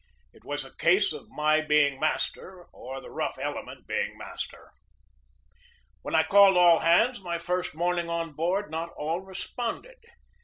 It was a case of my being master, or the rough element being master. When I called all hands my first morning on board, not all responded.